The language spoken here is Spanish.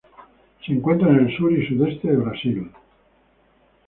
Se encuentra en el sur y sudeste de Brasil.